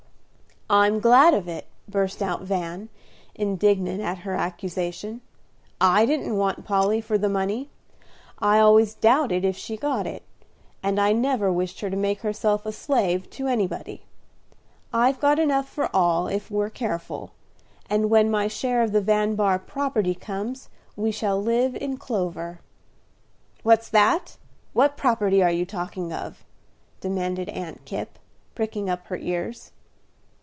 "I'm glad of it!" burst out Van, indignant at her accusation. "I didn't want Polly for the money; I always doubted if she got it; and I never wished her to make herself a slave to anybody. I've got enough for all, if we're careful; and when my share of the Van Bahr property comes, we shall live in clover." "What's that? What property are you talking of?" demanded Aunt Kipp, pricking up her ears.